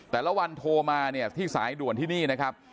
แต่ละวันโทรมาเนี่ยที่สายด่วนที่นี่นะครับ